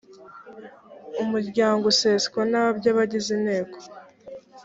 umuryango useswa na by abagize inteko